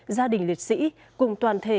gia đình liệt sĩ cùng toàn thể